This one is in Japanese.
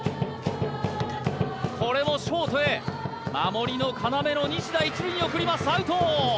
これもショートへ守りの要の西田一塁に送りますアウト！